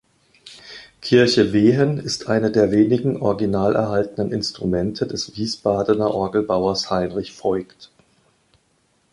Kirche Wehen ist eine der wenigen original erhaltenen Instrumente des Wiesbadener Orgelbauers Heinrich Voigt.